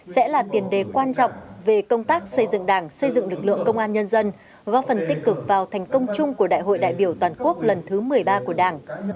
sẽ là tiền đề quan trọng về công tác xây dựng đảng xây dựng lực lượng công an nhân dân góp phần tích cực vào thành công chung của đại hội đại biểu toàn quốc lần thứ một mươi ba của đảng